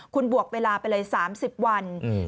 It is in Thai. คุณบวกเวลาไปเลย๓๐วัน